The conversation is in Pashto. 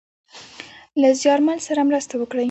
له زیارمل سره مرسته وکړﺉ .